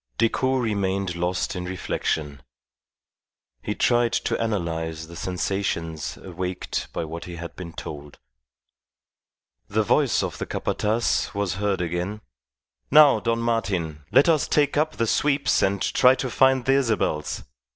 Decoud remained lost in reflection. He tried to analyze the sensations awaked by what he had been told. The voice of the Capataz was heard again: "Now, Don Martin, let us take up the sweeps and try to find the Isabels.